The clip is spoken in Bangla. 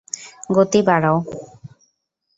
গতি বাড়াও।